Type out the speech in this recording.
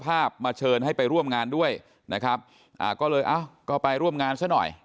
มาเชิญให้ไปร่วมงานด้วยนะครับอ่าก็เลยเอ้าก็ไปร่วมงานซะหน่อย